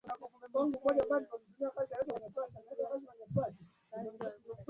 jinsi mtu atumiavyo dawa fulani huwa siathari zake za kimatibabu katika